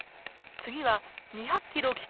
次は２００キロ